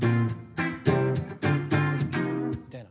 みたいな。